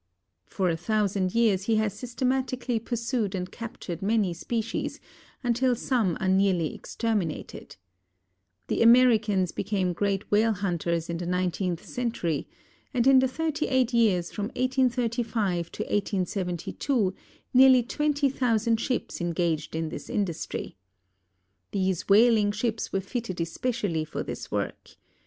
For a thousand years he has systematically pursued and captured many species, until some are nearly exterminated. The Americans became great whale hunters in the nineteenth century, and in the thirty eight years from 1835 to 1872 nearly 20,000 ships engaged in this industry. These whaling ships were fitted especially for this work.